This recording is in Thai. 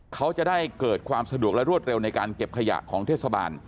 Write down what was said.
เขาจะได้เกิดความสะดวกและรวดเร็วในการเก็บขยะของเทศบาล